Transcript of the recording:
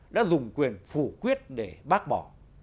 đã dùng quyền phủ quyết để bác bỏ